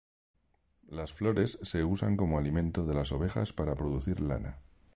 Las flores se usan como alimento de las ovejas para producir lana.